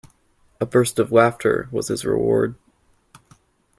A burst of laughter was his reward.